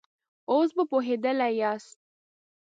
اوس به پوهېدلي ياست.